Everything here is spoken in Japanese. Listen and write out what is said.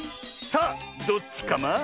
さあどっちカマ？